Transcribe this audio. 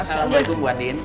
assalamualaikum bu andin